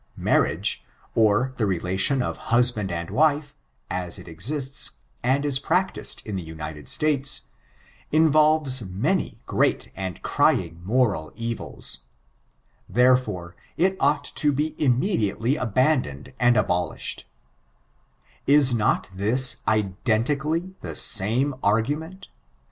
Marriage, or the relation of husband and wife, as it exists, and is practiced in the United States, involves many great and crying moral evils; therefore, it ought to be immediately abandoned and abolished, [s not diis identically the same argument?